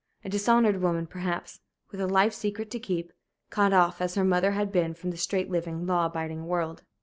A dishonored woman, perhaps, with a life secret to keep; cut off, as her mother had been, from the straight living, law abiding world.